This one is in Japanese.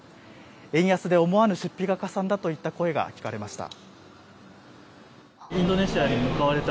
円安で思わぬ出費がかさんだという声が聞かれました。